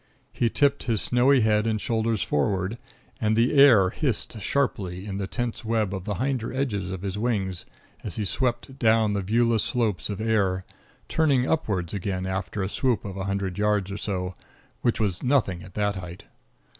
He tipped his snowy head and shoulders forward, and the air hissed sharply in the tense web of the hinder edges of his wings as he swept down the viewless slopes of air, turning upwards again after a swoop of a hundred yards or so, which was as nothing at that height.